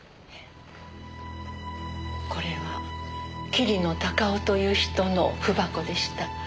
これは桐野孝雄という人の文箱でした。